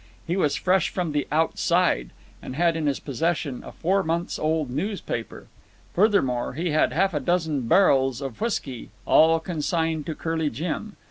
He was fresh from the Outside, and had in his possession a four months old newspaper. Furthermore, he had half a dozen barrels of whisky, all consigned to Curly Jim.